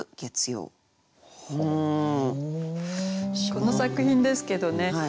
この作品ですけどね